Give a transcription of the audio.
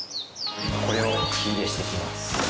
これを火入れしていきます。